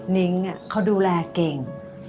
นิ้งเขาดูแลเก่ง